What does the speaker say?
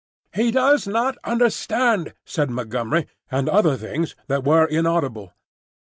"He does not understand," said Montgomery. and other things that were inaudible.